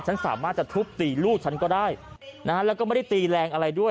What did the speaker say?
ฉันสามารถจะทุบตีลูกฉันก็ได้นะฮะแล้วก็ไม่ได้ตีแรงอะไรด้วย